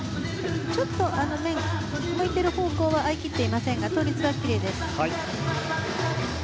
ちょっと、回転の方向は合い切っていませんが倒立はきれいでした。